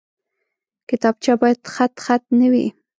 کتابچه باید خطخط نه وي